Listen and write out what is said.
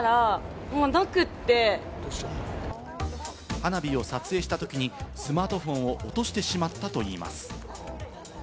花火を撮影したときにスマートフォンを落としてしまったといいます。